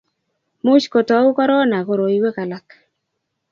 miuch kuutou korona koroiwek alak